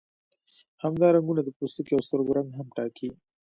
همدا رنګونه د پوستکي او سترګو رنګ هم ټاکي.